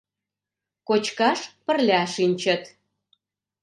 Кочкаш пырля шинчыт.